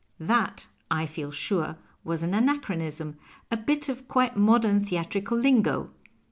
That, I feel sure, was an ana ehronism, a bit of quite modern theatrical lingo.